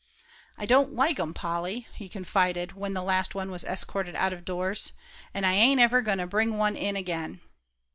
"I don't like 'em, Polly," he confided, when the last one was escorted out of doors, "and I ain't ever goin' to bring one in again."